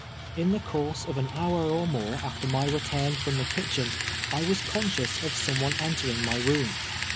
In the course of an hour or more after my return from the kitchen, I was conscious of some one enter ing my room.